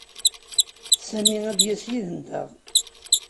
Sami ad d-yas yid-nteɣ.